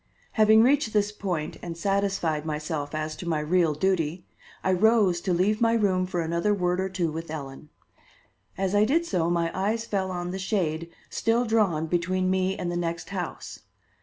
Having reached this point and satisfied myself as to my real duty, I rose to leave my room for another word or two with Ellen. As I did so my eyes fell on the shade still drawn between me and the next house.